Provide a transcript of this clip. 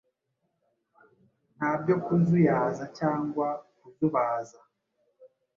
Ntabyo kuzuyaza cyangwa kuzubaza